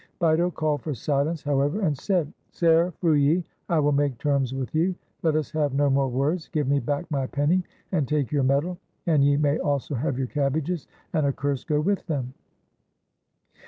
Bito called for silence, however, and said: — "Ser Frulli, I will make terms with you; let us have no more words. Give me back my penny and take your medal, and ye may also have your cabbages, and a curse go with them!"